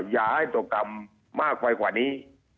อย่าให้ตกกรรมมากไปกว่านี้